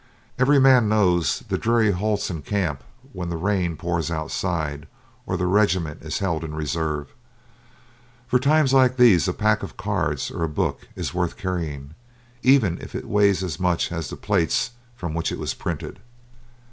Every man knows the dreary halts in camp when the rain pours outside, or the regiment is held in reserve. For times like these a pack of cards or a book is worth carrying, even if it weighs as much as the plates from which it was printed.